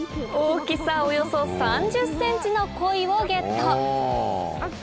大きさおよそ３０ｃｍのコイをゲットＯＫ。